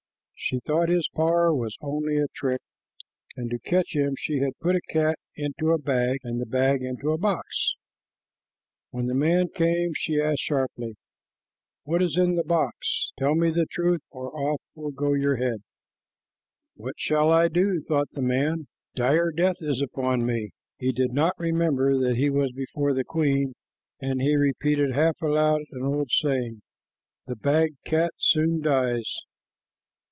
She thought his power was only a trick, and to catch him she had put a cat into a bag and the bag into a box. When the man came, she asked sharply, "What is in this box? Tell me the truth, or off will go your head." [Illustration: A WONDERFUL SENSE OF SMELL] "What shall I do?" thought the man, "Dire death is upon me." He did not remember that he was before the queen, and he repeated half aloud an old saying, "The bagged cat soon dies."